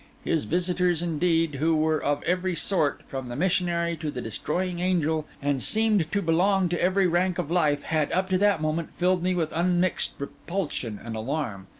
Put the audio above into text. His visitors, indeed, who were of every sort, from the missionary to the destroying angel, and seemed to belong to every rank of life, had, up to that moment, filled me with unmixed repulsion and alarm.